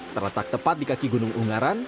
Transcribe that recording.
terletak tepat di kaki gunung ungaran